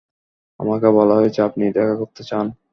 আমাকে বলা হয়েছে আপনি দেখা করতে চান।